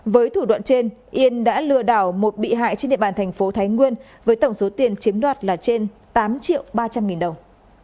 với thủ đoạn trên yên đã lừa đảo một bị hại trên địa bàn thành phố thái nguyên với tổng số tiền chiếm đoạt là trên tám triệu ba trăm linh nghìn đồng